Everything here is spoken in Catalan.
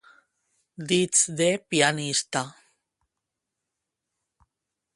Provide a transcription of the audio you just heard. Dits de pianista.